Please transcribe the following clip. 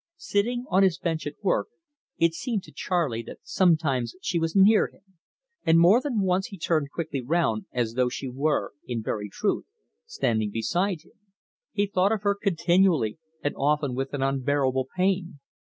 Sitting on his bench at work, it seemed to Charley that sometimes she was near him, and more than once he turned quickly round as though she were, in very truth, standing beside him. He thought of her continually, and often with an unbearable pain.